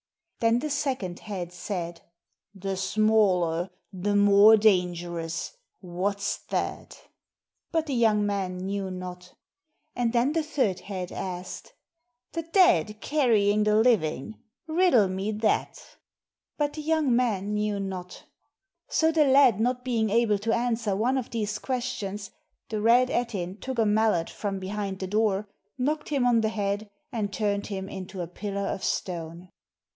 Then the second head said : "The smaller, the more dangerous, what's that ?" But the young man knew not. And then the third head asked : "The dead carrying the living ? riddle me that.'* But the young man knew not. So the lad not being able to answer one of these questions, the Red Ettin took a mallet from behind the door, knocked him on the head, and turned him into a pillar of stone.